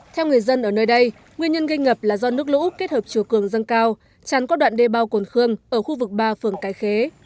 theo người dân ở nơi đây nguyên nhân gây ngập là do nước lũ kết hợp chiều cường dâng cao tràn qua đoạn đê bao cồn khương ở khu vực ba phường cái khế